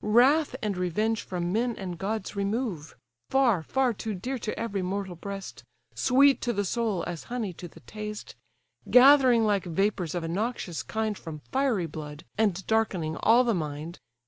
Wrath and revenge from men and gods remove: Far, far too dear to every mortal breast, Sweet to the soul, as honey to the taste: Gathering like vapours of a noxious kind From fiery blood, and darkening all the mind.